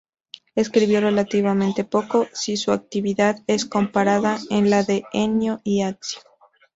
Escribió relativamente poco, si su actividad es comparada a la de Ennio y Accio.